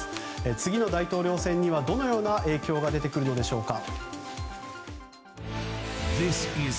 次の大統領選にはどのような影響が出てくるのでしょうか。